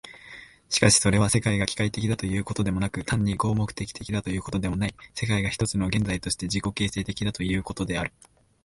しかしそれは、世界が機械的だということでもなく、単に合目的的だということでもない、世界が一つの現在として自己形成的だということである。